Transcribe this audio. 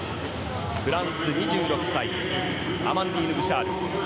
フランスの２６歳アマンディーヌ・ブシャール。